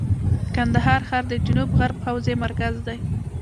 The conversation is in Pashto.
کندهار ښار د جنوب غرب حوزې مرکز دی.